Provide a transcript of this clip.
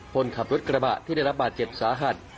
คนขับรถกระบะที่ได้รับบาดเจ็บสาหัส